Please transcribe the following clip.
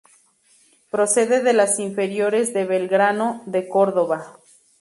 Procede de las inferiores de Belgrano de Córdoba.